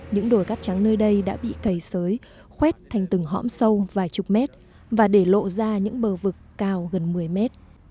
những đồi cắt trắng nơi đây đã bị cầy sới khuét thành từng hõm sâu vài chục mét và để lộ ra những bờ vực cao gần một mươi mét